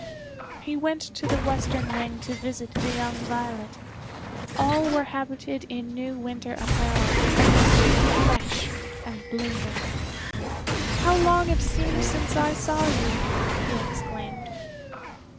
He went to the western wing to visit the young Violet. All were habited in new winter apparel, and looked fresh and blooming. "How long it seems since I saw you!" he exclaimed.